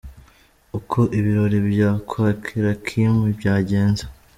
Uko ibirori byo kwakira Kim byagenze.